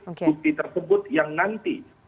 bukti tersebut yang nanti